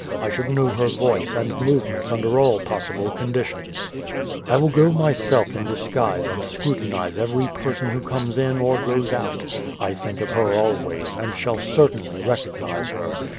I should know her voice and movements under all possible conditions. I will go myself in disguise and scrutinize every person who comes in or goes out. I think of her always, and shall certainly recognize her.